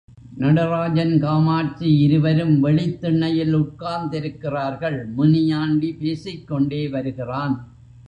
நடராஜன் காமாட்சி இருவரும் வெளித் திண்ணையில் உட்கார்ந்திருக்கிறார்கள் முனியாண்டி பேசிக் கோண்டே வருகிறான்.